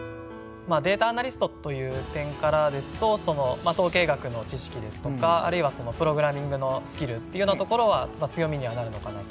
データアナリストという点からですと統計学の知識ですとかあるいはプログラミングのスキルっていうようなところは強みにはなるのかなと。